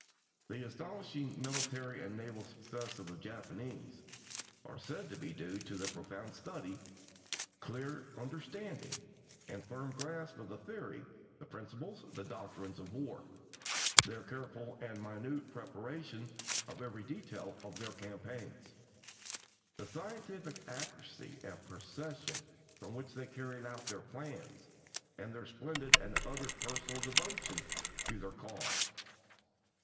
The astonishing military and naval successes of the Japanese are said to be due to their profound study, clear understanding, and firm grasp of the theory, the principles, the doctrines of war; their careful and minute preparation of every detail of their campaigns; the scientific accuracy and precision with which they carry out all their plans, and their splendid and utter personal devotion to their cause.